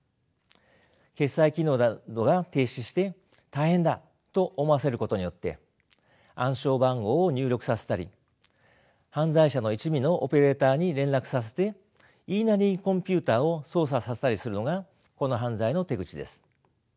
決済機能などが停止して大変だと思わせることによって暗証番号を入力させたり犯罪者の一味のオペレーターに連絡させて言いなりにコンピューターを操作させたりするのがこの犯罪の手口です。